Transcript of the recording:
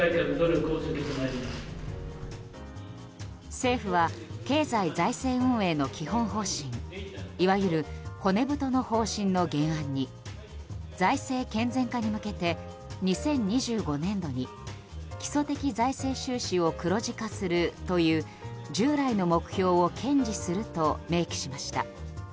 政府は経済財政運営の基本方針いわゆる骨太の方針の原案に財政健全化に向けて２０２５年度に基礎的財政収支を黒字化するという従来の目標を堅持すると明記しました。